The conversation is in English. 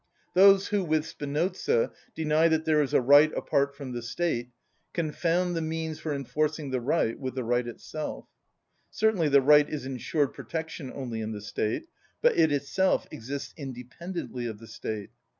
Those who, with Spinoza, deny that there is a right apart from the State, confound the means for enforcing the right with the right itself. Certainly the right is insured protection only in the State. But it itself exists independently of the State.